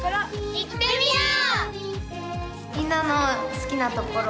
いってみよう！